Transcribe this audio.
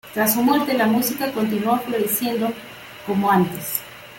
Tras su muerte la música continuó floreciendo como antes.